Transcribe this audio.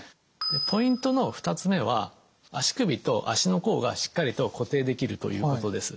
ポイントの２つ目は足首と足の甲がしっかりと固定できるということです。